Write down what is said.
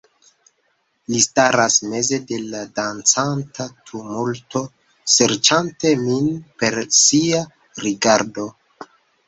Li staras meze de la dancanta tumulto, serĉante min per sia rigardo..